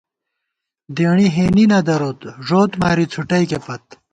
دېݨی ہېنی نہ دَرِت ، ݫوت ماری څھُٹئیکے پت